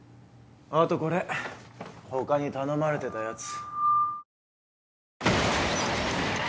あとこれ他に頼まれてたやつ。